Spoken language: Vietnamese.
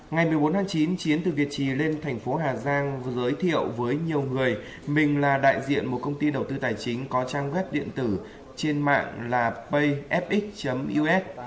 ngày một mươi bốn tháng chín chiến từ việt trì lên thành phố hà giang giới thiệu với nhiều người mình là đại diện một công ty đầu tư tài chính có trang web điện tử trên mạng là payfxx